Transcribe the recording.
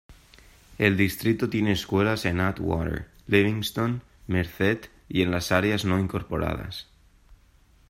El distrito tiene escuelas en Atwater, Livingston, Merced, y en las áreas no incorporadas.